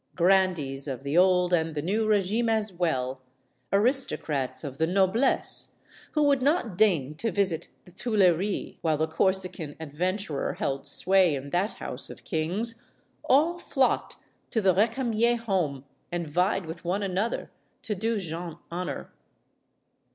Gran dees of the old and the new regime as well aristocrats of the noblesse who would not deign to visit the Tui leries while the Corsican adventurer held sway in that house of kings all flocked to the Recamier home and vied with one another to do Jeanne honor.